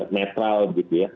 netral gitu ya